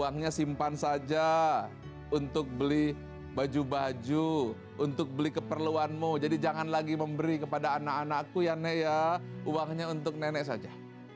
orang seaweed yang uangnya untuk mchter beli baju baju untuk beli keperluanmu jadi jangan lagi memberi kepada anak anakku ya nea uangnya untuk uangnya untuk nenek saja